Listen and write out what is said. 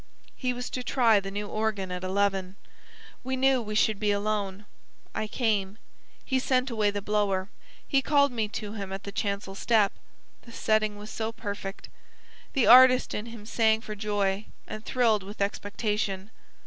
He was to try the new organ at eleven. We knew we should be alone. I came. He sent away the blower. He called me to him at the chancel step. The setting was so perfect. The artist in him sang for joy, and thrilled with expectation.